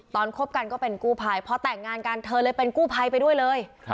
คบกันก็เป็นกู้ภัยพอแต่งงานกันเธอเลยเป็นกู้ภัยไปด้วยเลย